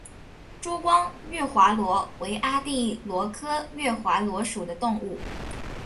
珠光月华螺为阿地螺科月华螺属的动物。